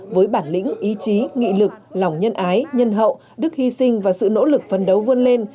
với bản lĩnh ý chí nghị lực lòng nhân ái nhân hậu đức hy sinh và sự nỗ lực phân đấu vươn lên